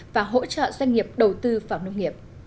và hỗ trợ doanh nghiệp đầu tư vào nông nghiệp